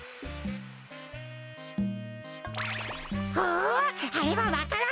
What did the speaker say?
ああれはわか蘭か？